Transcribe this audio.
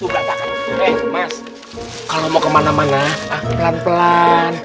eh mas kalau mau kemana mana pelan pelan